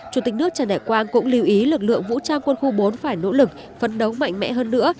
chủ tịch nước trần đại quang cũng lưu ý lực lượng vũ trang quân khu bốn phải nỗ lực phấn đấu mạnh mẽ hơn nữa